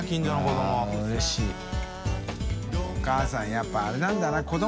やっぱりあれなんだな。